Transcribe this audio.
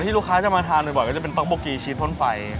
ลูกค้าจะมาทานบ่อยก็จะเป็นปั๊บโบกีชีสพ่นไฟ